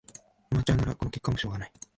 アマチュアならこの結果もしょうがない